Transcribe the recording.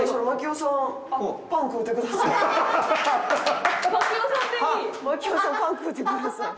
槙尾さんパン食うてください。